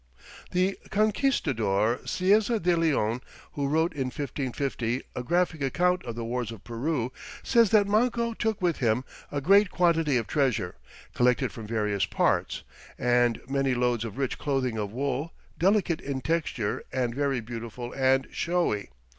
The conquistador, Cieza de Leon, who wrote in 1550 a graphic account of the wars of Peru, says that Manco took with him a "great quantity of treasure, collected from various parts ... and many loads of rich clothing of wool, delicate in texture and very beautiful and showy."